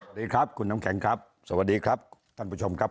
สวัสดีครับคุณน้ำแข็งครับสวัสดีครับท่านผู้ชมครับ